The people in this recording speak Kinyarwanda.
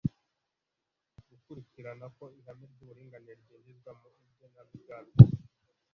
gukurikirana ko ihame ry'uburinganire ryinjizwa mu igenamigambi